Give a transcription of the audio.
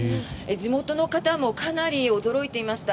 地元の方もかなり驚いていました。